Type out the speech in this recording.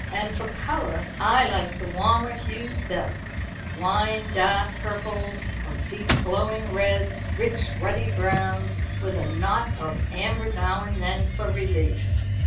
And for colour I like the warmer hues best wine dark purples or deep glowing reds; rich ruddy browns, with a knot of amber now and then for relief."